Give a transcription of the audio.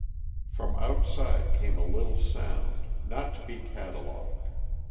From outside came a little sound, not to be catalogued.